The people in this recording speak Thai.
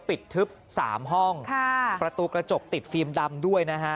ทึบ๓ห้องประตูกระจกติดฟิล์มดำด้วยนะฮะ